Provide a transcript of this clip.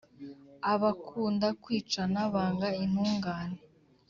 abakunda kwicana banga intungane